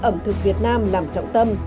ẩm thực việt nam làm trọng tâm